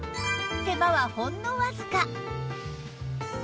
手間はほんのわずか！